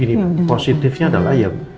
ini positifnya adalah ya